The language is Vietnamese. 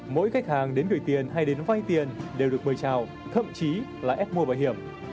mỗi khách hàng đến gửi tiền hay đến vay tiền đều được mời chào thậm chí là ép mua bảo hiểm